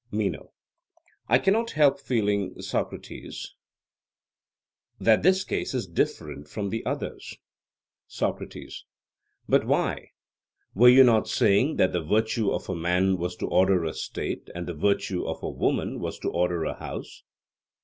MENO: I cannot help feeling, Socrates, that this case is different from the others. SOCRATES: But why? Were you not saying that the virtue of a man was to order a state, and the virtue of a woman was to order a house?